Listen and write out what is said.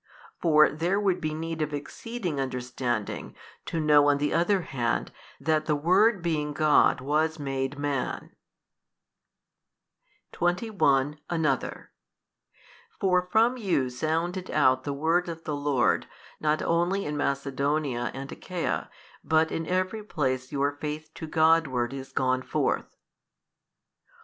for there would be need of exceeding understanding to know on the other hand that the Word being God was made Man. 21. Another. For from you sounded out the word of the Lord not only in Macedonia and Achaia, but in every place your faith to Godward is gone forth.